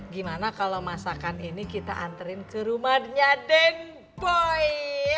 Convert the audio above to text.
gimana kalau masakan ini kita anterin ke rumahnya denpoy